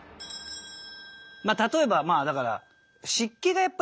まあ例えばまあだから。